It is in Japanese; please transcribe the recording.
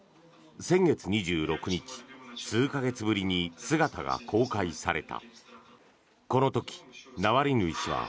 先月２６日数か月ぶりに姿が公開された。